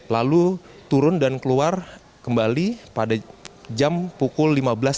lalu turun dan keluar kembali pada jam pukul lima belas tiga puluh